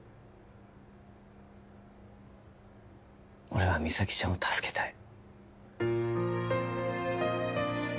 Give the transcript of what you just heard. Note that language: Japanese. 俺は実咲ちゃんを助けたい